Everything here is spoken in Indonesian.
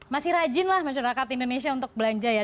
masih rajin lah masyarakat indonesia untuk belanja ya